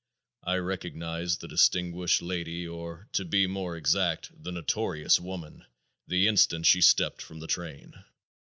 I recognized the distinguished lady or, to be more exact, the notorious woman, the instant she stepped from the train.